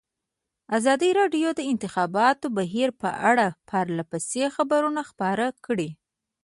ازادي راډیو د د انتخاباتو بهیر په اړه پرله پسې خبرونه خپاره کړي.